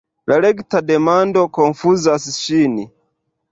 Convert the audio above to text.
La rekta demando konfuzas ŝin.